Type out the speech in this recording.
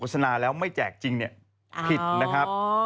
สนาแล้วไม่แจกจริงเนี่ยผิดนะครับ